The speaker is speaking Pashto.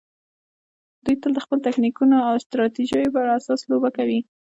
دوی تل د خپلو تکتیکونو او استراتیژیو پر اساس لوبه کوي.